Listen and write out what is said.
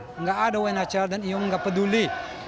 tidak ada unhcr dan dia tidak peduli